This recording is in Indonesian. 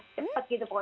cepet gitu pokoknya